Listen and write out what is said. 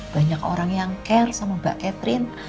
banyak orang yang care sama mbak catherine